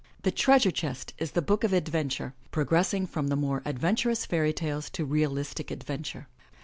The Treasure Chest, is the book of adventure, progressing from the more adventurous fairy tales to realistic adventure.